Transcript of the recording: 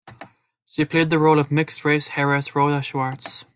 She played the role of mixed-race heiress Rhoda Swartz.